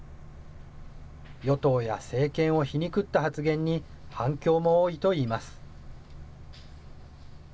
与党や政権を皮肉った発言に、反響も多いといいます。